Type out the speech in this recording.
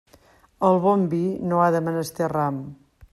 El bon vi no ha de menester ram.